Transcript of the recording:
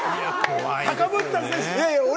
高ぶってたんですね。